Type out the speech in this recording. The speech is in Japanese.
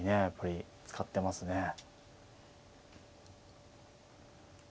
やっぱり使ってますね。